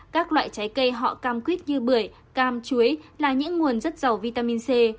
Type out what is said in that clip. các loại trái cây họ cam quýt như bưởi cam chuối là những nguồn rất giàu vitamin c